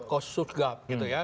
kosus gap gitu ya